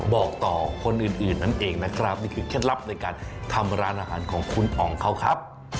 บอกต่อคนอื่นนั่นเองนะครับนี่คือเคล็ดลับในการทำร้านอาหารของคุณอ๋องเขาครับ